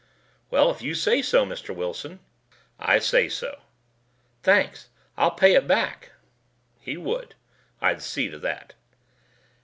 "Well, if you say so, Mr. Wilson." "I say so." "Thanks. I'll pay it back." He would. I'd see to that.